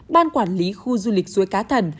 ban quản lý khu du lịch suối cá thần